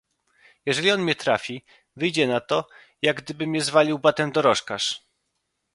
"Jeżeli on mnie trafi, wyjdzie na to, jak gdyby mnie zwalił batem dorożkarz."